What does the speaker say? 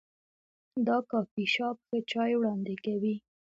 دا کافي شاپ ښه چای وړاندې کوي.